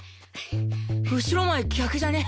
後ろ前逆じゃね？